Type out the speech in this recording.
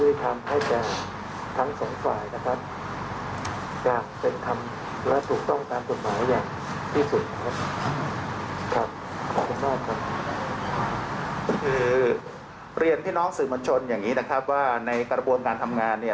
คือเรียนพี่น้องสื่อมวลชนอย่างนี้นะครับว่าในกระบวนการทำงานเนี่ย